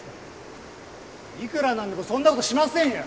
いくらなんでもそんな事しませんよ！